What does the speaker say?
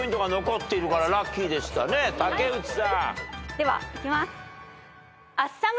ではいきます。